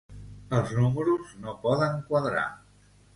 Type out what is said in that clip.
Els números no poden quadrar.